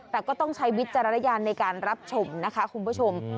แต่ก็ต้องใช้วิจารณญาณในการรับชมนะคะคุณผู้ชม